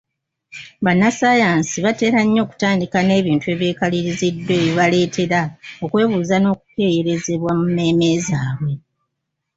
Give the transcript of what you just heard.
Bannassaayansi batera nnyo okutandika n’ebintu ebyekaliriziddwa ebibaleetera okwebuuza n’okukeeyerezebwa mu mmeeme zaabwe.